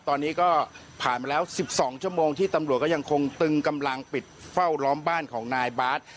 ตอนนี้ก็ผ่านมาแล้ว๑๒ชั่วโมงที่ตำรวจก็ยังคงตึงกำลังปิดเฝ้าล้อมบ้านของนายบาท